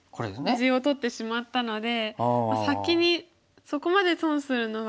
地を取ってしまったので先にそこまで損するのは。